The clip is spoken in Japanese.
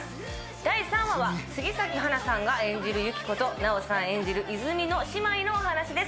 第３話は杉咲花さんが演じるユキコと奈緒さん演じるイズミの姉妹のお話です。